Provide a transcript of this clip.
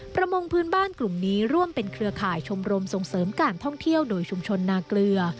ประมงพื้นบ้านกลุ่มนี้ร่วมเป็นเครือข่ายชมรมส่งเสริมการท่องเที่ยวโดยชุมชนนาเกลือ